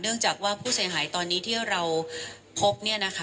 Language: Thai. เนื่องจากผู้เสียหายที่เราพบ